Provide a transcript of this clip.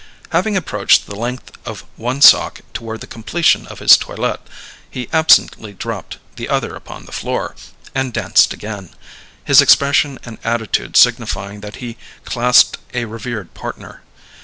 Having approached the length of one sock toward the completion of his toilet, he absently dropped the other upon the floor, and danced again; his expression and attitude signifying that he clasped a revered partner.